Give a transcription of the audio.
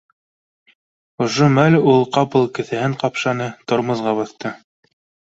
Ошо мәл ул ҡапыл кеҫәһен ҡапшаны, тормозға баҫты